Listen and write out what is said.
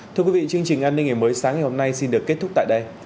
thưa quý vị chương trình an ninh ngày mới sáng ngày hôm nay xin được kết thúc tại đây